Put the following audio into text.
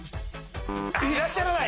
いらっしゃらない。